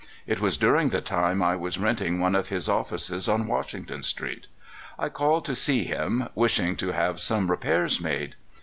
It was during the time I was renting one of his offices on Washington Street. I called to see him, wishing to have some repairs made.